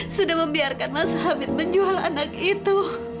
sudah membiarkan mas habit menjual anak itu